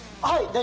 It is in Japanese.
はい。